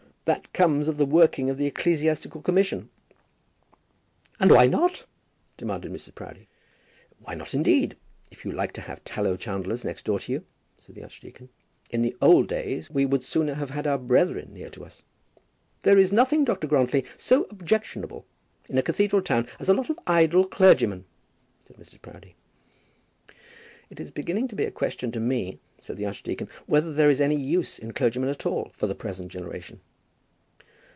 That comes of the working of the Ecclesiastical Commission." "And why not?" demanded Mrs. Proudie. "Why not, indeed, if you like to have tallow chandlers next door to you?" said the archdeacon. "In the old days, we would sooner have had our brethren near to us." "There is nothing, Dr. Grantly, so objectionable in a cathedral town as a lot of idle clergymen," said Mrs. Proudie. "It is beginning to be a question to me," said the archdeacon, "whether there is any use in clergymen at all for the present generation."